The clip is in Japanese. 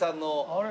あれ？